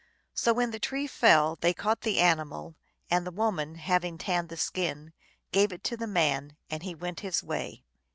. So when the tree fell they caught the animal, and the woman, having tanned the skin, gave it to the man, and he went his way.